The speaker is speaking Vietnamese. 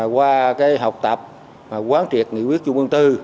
qua học tập quán triệt nghị quyết chung quân tư